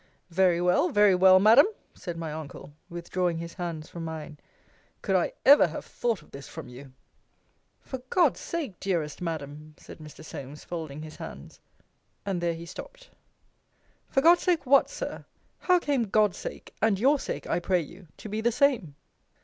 Very well, very well, Madam! said my uncle, withdrawing his hands from mine: Could I ever have thought of this from you? For God's sake, dearest Madam, said Mr. Solmes, folding his hands And there he stopped. For God's sake, what, Sir? How came God's sake, and your sake, I pray you, to be the same?